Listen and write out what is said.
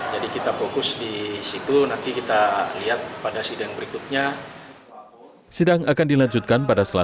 jadi kita fokus di situ nanti kita lihat pada sidang berikutnya